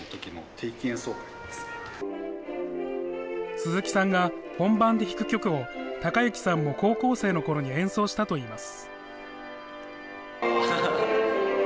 鈴木さんが本番で弾く曲を崇之さんも高校生のころに演奏したといいます。